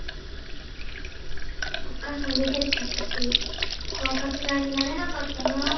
おっ母さん出てっちゃったし「子はかすがい」になれなかったなって。